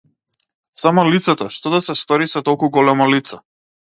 Само лицето, што да се стори со толку големо лице?